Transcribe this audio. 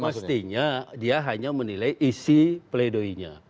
mestinya dia hanya menilai isi pledoinya